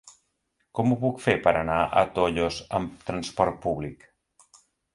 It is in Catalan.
Com ho puc fer per anar a Tollos amb transport públic?